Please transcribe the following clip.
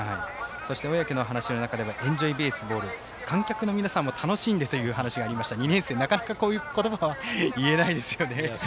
そして、小宅の話の中でも「エンジョイベースボール」を観客の皆さんも楽しんでと２年生、なかなかこういう言葉は言えないですね。